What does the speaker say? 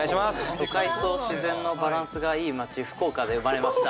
都会と自然のバランスがいい街、福岡で生まれました。